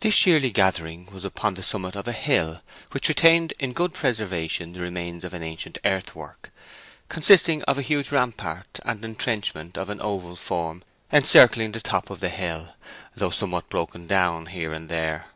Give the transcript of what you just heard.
This yearly gathering was upon the summit of a hill which retained in good preservation the remains of an ancient earthwork, consisting of a huge rampart and entrenchment of an oval form encircling the top of the hill, though somewhat broken down here and there.